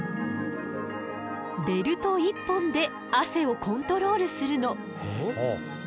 ベルト１本で汗をコントロールするの。